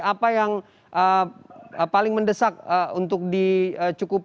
apa yang paling mendesak